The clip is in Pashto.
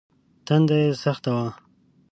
تنده يې سخته وه.